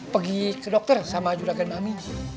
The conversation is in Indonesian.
pergi ke dokter sama julagan mami